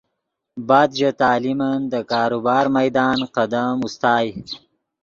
بعد ژے تعلیمن دے کاروبار میدان قدم اوستائے